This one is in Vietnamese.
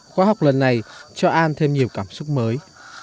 khóa học lần này cho an thêm nhiều cảm xúc mới